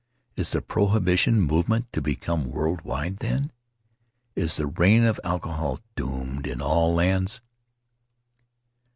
Is the prohibition movement to become world wide, then? Is the reign of alcohol doomed in all lands?"